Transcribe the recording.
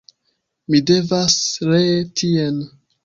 Mi devas ree tien.